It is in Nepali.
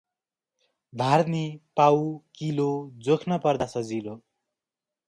धार्नी, पाउ, किलो, जोख्न पर्दा सजिलो ।